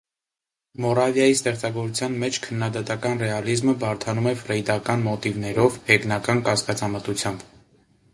Մորավիայի ստեղծագործության մեջ քննադատական ռեալիզմը բարդանում է ֆրեյդական մոտիվներով, հեգնական կասկածամտությամբ։